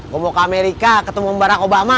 gue mau ke amerika ketemu mbak obama